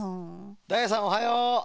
ダイヤさんおはよう！